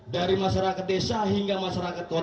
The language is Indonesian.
dari masyarakat desa hingga masyarakat kota